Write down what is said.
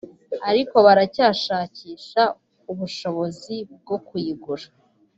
ariko baracyashakisha ubushobozi bwo kuyigura